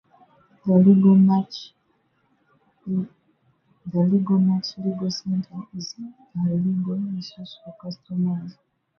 The LegalMatch LegalCenter is a legal resource for consumers.